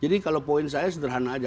jadi kalau poin saya sederhana aja